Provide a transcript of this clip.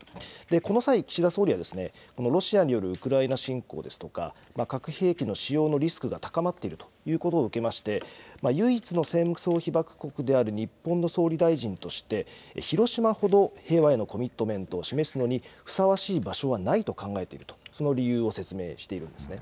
この際、岸田総理はロシアによるウクライナ侵攻ですとか、核兵器の使用のリスクが高まっているということを受けまして、唯一の戦争被爆国である日本の総理大臣として、広島ほど平和へのコミットメントを示すのにふさわしい場所はないと考えていると、その理由を説明しているんですね。